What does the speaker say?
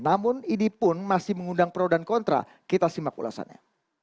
namun ini pun masih mengundang pro dan kontra kita simak ulasannya